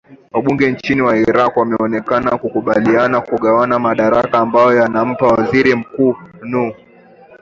wabunge nchini iraq wameonekana kukubaliana kugawana madaraka ambayo yanampa waziri mkuu nu